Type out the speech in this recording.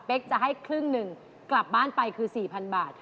เป็นจะให้ครึ่งหนึ่งกลับบ้านไปคือ๔๐๐๐บาท